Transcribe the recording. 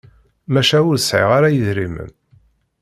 Maca ur sεiɣ ara idrimen.